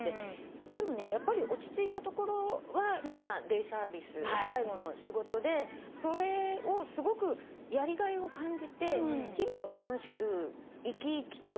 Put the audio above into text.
でもねやっぱり落ち着いたところは今デイサービス介護の仕事でそれをすごくやりがいを感じて日々を楽しく生き生きと暮らしているんだよね。